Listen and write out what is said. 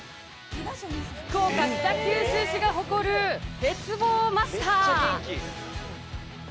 福岡・北九州市が誇る鉄棒マスター。